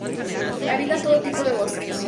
Habita en todo tipo de bosques.